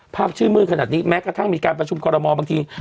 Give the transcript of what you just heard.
ชื่นมืดขนาดนี้แม้กระทั่งมีการประชุมคอรมอลบางที